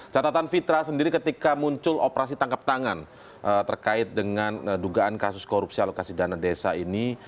catatan fitra sendiri ketika muncul operasi tangkap tangan terkait dengan dugaan kasus korupsi alokasi dana desa ini